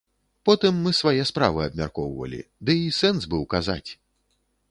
Потым мы свае справы абмяркоўвалі, ды й сэнс быў казаць?